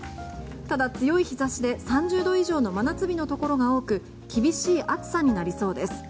ただ強い日差しで３０度以上の真夏日ところが多く厳しい暑さになりそうです。